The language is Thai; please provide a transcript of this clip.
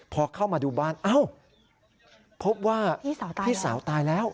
พอเข้ามาดูบ้านเอ้าพบว่าพี่สาวตายแล้ว